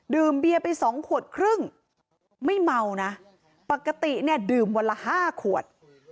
เบียร์ไปสองขวดครึ่งไม่เมานะปกติเนี่ยดื่มวันละ๕ขวด